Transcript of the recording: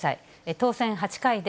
当選８回で、